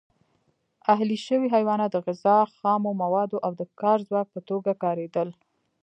اهلي شوي حیوانات د غذا، خامو موادو او د کار ځواک په توګه کارېدل.